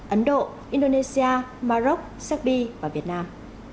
ấn độ indonesia maroc serbia và việt nam